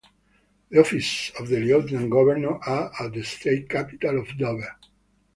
The offices of the lieutenant governor are at the state capital of Dover.